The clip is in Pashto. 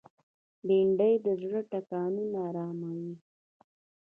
بېنډۍ د زړه ټکانونه آراموي